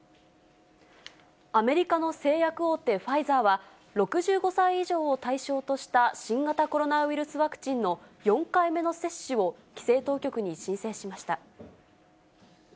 アメリカの製薬大手ファイザーは、６５歳以上を対象とした、新型コロナウイルスワクチンの４回目の接種を規制当局に申請しました。